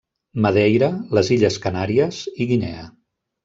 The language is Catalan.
Madeira, les Illes Canàries i Guinea.